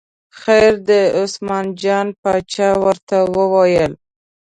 خیر دی، عثمان جان باچا ورته وویل.